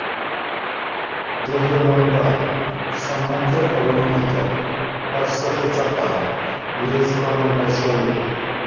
দেহ লম্বা, সম্মুখে অবনমিত, পশ্চাতে চাপা, লেজ ক্রমান্বয়ে সরু।